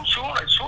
đánh đầu vô